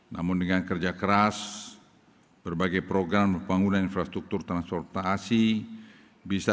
namun dengan kerja keras berbagai program pembangunan infrastruktur transportasi bisa